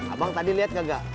abang tadi liat gak